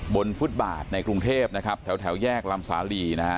ฟุตบาทในกรุงเทพนะครับแถวแยกลำสาลีนะฮะ